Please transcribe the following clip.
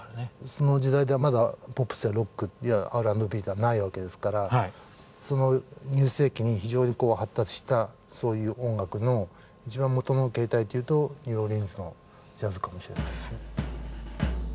その時代ではまだポップスやロックやＲ＆Ｂというのはないわけですからその２０世紀に非常にこう発達したそういう音楽の一番元の形態っていうとニューオーリンズのジャズかもしれないですね。